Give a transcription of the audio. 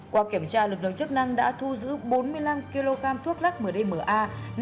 qua kiểm tra lực lượng chức năng đã thu giữ bốn mươi năm kg thuốc lắc mdma